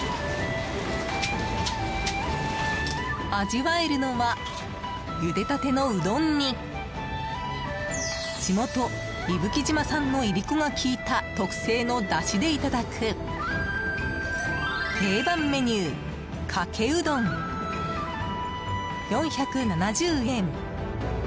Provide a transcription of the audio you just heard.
味わえるのはゆでたてのうどんに地元・伊吹島産のいりこが効いた特製のだしでいただく定番メニューかけうどん、４７０円。